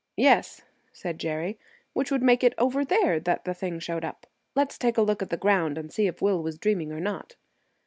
"Yes," said Jerry, "which would make it over there that the thing showed up. Let's take a look at the ground, and see if Will was dreaming or not."